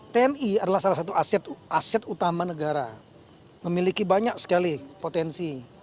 tni adalah salah satu aset utama negara memiliki banyak sekali potensi